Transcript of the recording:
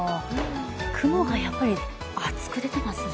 雲がやっぱり厚く出ていますね。